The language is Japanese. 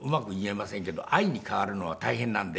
愛に変わるのは大変なんで。